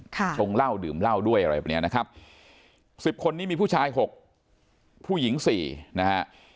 ชงเหล้าดื่มเหล้าด้วยอะไรแบบเนี้ยนะครับสิบคนนี้มีผู้ชายหกผู้หญิงสี่นะฮะ